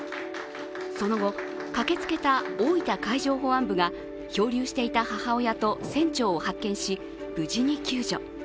その後、駆けつけた大分海上保安部が漂流していた母親と船長を発見し、無事に救助。